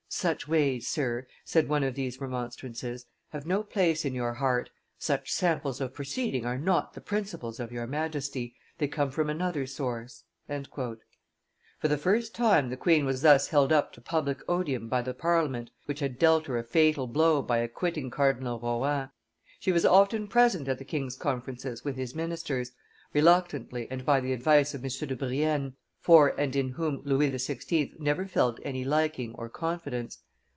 "Such ways, Sir," said one of these remonstrances, "have no place in your heart, such samples of proceeding are not the principles of your Majesty, they come from another source." For the first time the queen was thus held up to public odium by the Parliament which had dealt her a fatal blow by acquitting Cardinal Rohan; she was often present at the king's conferences with his ministers, reluctantly and by the advice of M. de Brienne, for and in whom Louis XVI. never felt any liking or confidence.